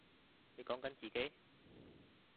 你講緊自己？